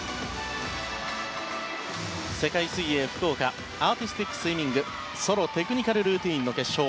世界水泳福岡アーティスティックスイミングソロテクニカルルーティンの決勝。